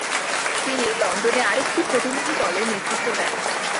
তিনি লন্ডনে আরেকটি প্রতিনিধিদলের নেতৃত্ব দেন।